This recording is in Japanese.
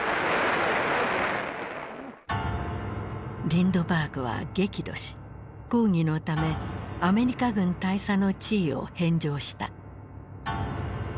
リンドバーグは激怒し抗議のためアメリカ軍大佐の地位を返上した。